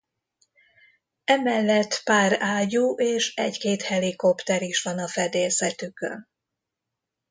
Emellett pár ágyú és egy-két helikopter is van a fedélzetükön.